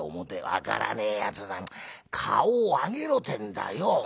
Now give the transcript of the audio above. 「分からねえやつだな顔を上げろってんだよ」。